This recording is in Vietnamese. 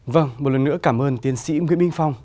vâng một lần nữa cảm ơn tiến sĩ nguyễn minh phong